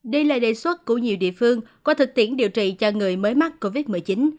đây là đề xuất của nhiều địa phương qua thực tiễn điều trị cho người mới mắc covid một mươi chín